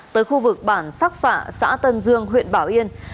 tới khu vực bản sắc phạ xã tân dương huyện bảo yên